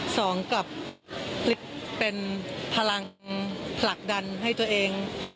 กับคลิปเป็นพลังผลักดันให้ตัวเอง